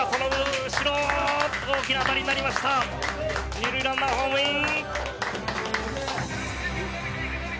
２塁ランナーホームイン！